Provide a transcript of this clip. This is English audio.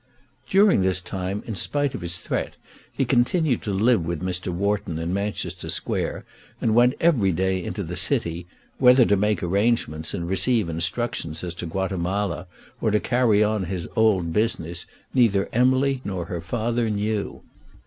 During this time, in spite of his threat, he continued to live with Mr. Wharton in Manchester Square, and went every day into the city, whether to make arrangements and receive instructions as to Guatemala, or to carry on his old business, neither Emily nor her father knew.